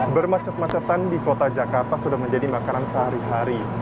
bermacet macetan di kota jakarta sudah menjadi makanan sehari hari